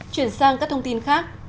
chuyển sang các thông tin khác